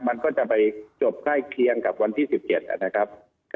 มันก็จะไปจบใกล้เคียงกับวันที่๑๗นะครับ